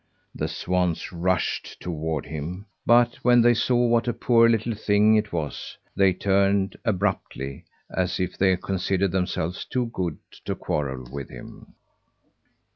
The swans rushed toward him; but when they saw what a poor little thing it was, they turned abruptly as if they considered themselves too good to quarrel with him.